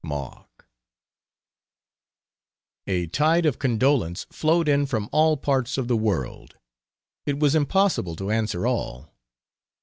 MARK. A tide of condolence flowed in from all parts of the world. It was impossible to answer all.